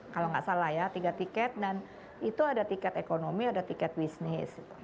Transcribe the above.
kalau nggak salah ya tiga tiket dan itu ada tiket ekonomi ada tiket bisnis